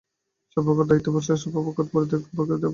সর্বপ্রকার দাসত্ব ও সর্বপ্রকার বন্ধন পরিত্যাগ করিতে হইবে।